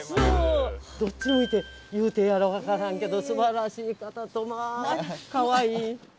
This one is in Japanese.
どっち向いて言うてええやら分からんけどすばらしい方とまあかわいい。